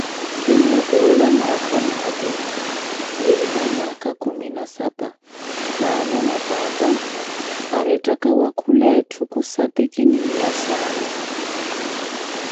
Kinuupuwela mwaakha mmoote kirina nyakha khumi na saapa maama na paapa arettaka wakhula etthu kusabi kiniya saana.